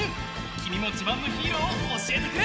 きみもじまんのヒーローをおしえてくれ！